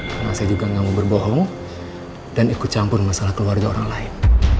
karena saya juga nggak mau berbohong dan ikut campur masalah keluarga orang lain